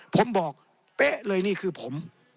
ผมบอกเป๊ะเลยนี่คือผม